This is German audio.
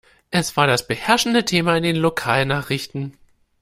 Es war das beherrschende Thema in den Lokalnachrichten.